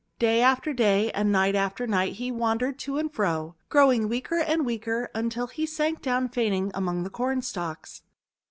Day after day and night after night he wan dered to and fro, growing weaker and weaker, until he sank down fainting among the Cornstalks.